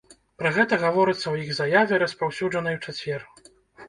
Пра гэта гаворыцца ў іх заяве, распаўсюджанай у чацвер.